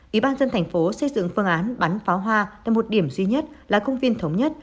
ủy ban dân thành phố xây dựng phương án bắn pháo hoa tại một điểm duy nhất là công viên thống nhất